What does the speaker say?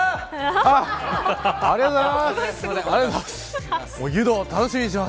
ありがとうございます。